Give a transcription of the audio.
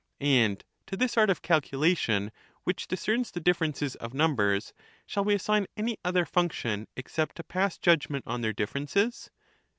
And to this art of calculation which discerns the differences of numbers shall we assign any other function except to pass judgment on their differences